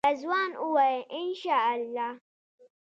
رضوان وویل انشاالله.